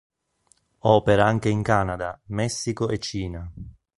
Opera anche in Canada, Messico e Cina.